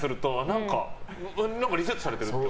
何かリセットされてるって。